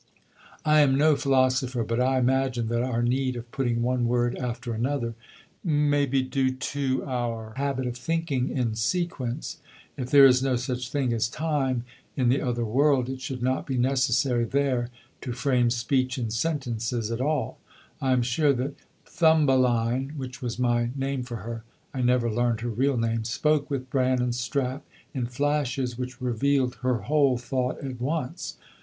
I am no philosopher, but I imagine that our need of putting one word after another may be due to our habit of thinking in sequence. If there is no such thing as Time in the other world it should not be necessary there to frame speech in sentences at all. I am sure that Thumbeline (which was my name for her I never learned her real name) spoke with Bran and Strap in flashes which revealed her whole thought at once.